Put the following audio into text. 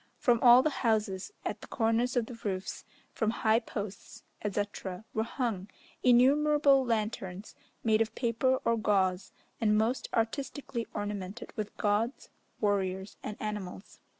From all the houses, at the corners of the roofs, from high posts, etc., were hung innumerable lanterns, made of paper or gauze, and most artistically ornamented with gods, warriors, and animals.